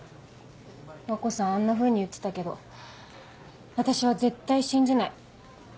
和湖さんあんなふうに言ってたけど私は絶対信じない。